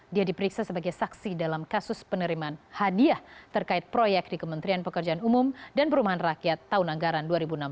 dia diperiksa sebagai saksi dalam kasus penerimaan hadiah terkait proyek di kementerian pekerjaan umum dan perumahan rakyat tahun anggaran dua ribu enam belas